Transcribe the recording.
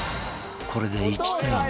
これで１対２。